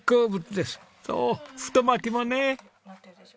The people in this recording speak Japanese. そう太巻きもね。